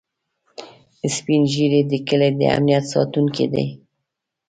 سپین ږیری د کلي د امنيت ساتونکي دي